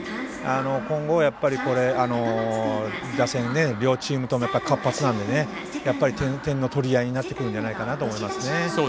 今後、打線両チームとも活発なので点の取り合いになってくるんじゃないかと思いますね。